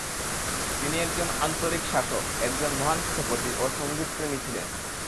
তিনি একজন আন্তরিক শাসক, একজন মহান স্থপতি ও সঙ্গীতপ্রেমী ছিলেন।